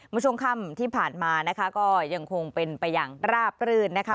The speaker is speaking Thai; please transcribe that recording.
เมื่อช่วงค่ำที่ผ่านมานะคะก็ยังคงเป็นไปอย่างราบรื่นนะคะ